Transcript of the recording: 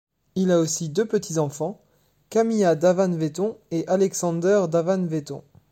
Il a aussi deux petits-enfants, Camilla Davan-Wetton et Alexander Davan-Wetton.